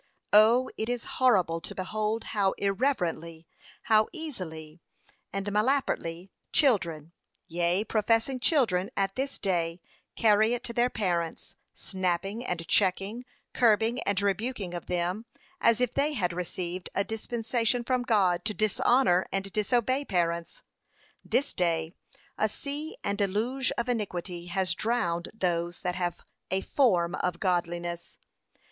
'0! it is horrible to behold how irreverently, how easily, and malapertly, children, yea, professing children, at this day, carry it to their parents; snapping and checking, curbing and rebuking of them, as if they had received a dispensation from God to dishonour and disobey parents.' p. 535. 'This day, a sea and deluge of iniquity has drowned those that have a form of godliness.